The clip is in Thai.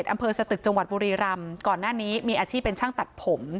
อำเภอสตึกจังหวัดบุรีรำก่อนหน้านี้มีอาชีพเป็นช่างตัดผม